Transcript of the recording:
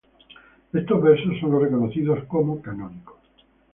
Estos versos son los reconocidos como canónicos.